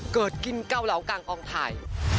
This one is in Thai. กินเกาเหลากลางกองถ่าย